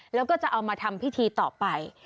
แล้วก็จะเอามาทำพิธีต่อไป